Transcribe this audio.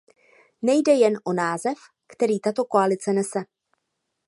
Nejde jen o název, který tato koalice nese.